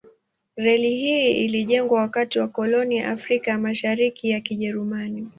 Reli hii ilijengwa wakati wa koloni ya Afrika ya Mashariki ya Kijerumani.